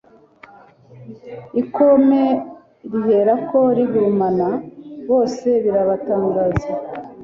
ikome riherako rigurumana, bose birabatangaza